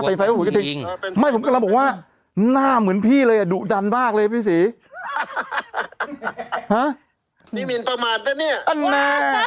พี่ศรีแต่ว่าผมเห็นพี่ศรีแขวนอะไรอยู่บนบนบ้านอะ